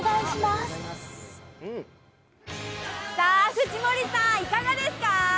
藤森さん、いかがですか？